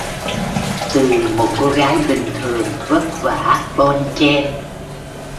Từ một cô gái bình thường vất vả bon chen